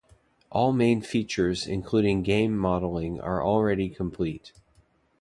All main features including game modeling are already complete.